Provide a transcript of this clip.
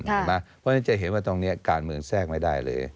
เพราะฉะนั้นจะเห็นว่าตรงนี้การเมืองแทรกไม่ได้เลย